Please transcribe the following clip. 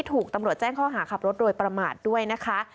ถูกตำรวจแจ้งข้อหาขับรถโดยประมาทด้วยนะคะ